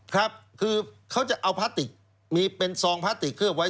ครับคือเขาจะเอาพลาสติกมีเป็นซองพลาสติกเคลือบไว้